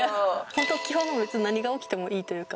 ホント基本何が起きてもいいというか。